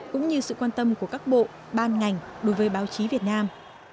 cũng như sự quan tâm của các bộ ban ngành đối với báo chí việt nam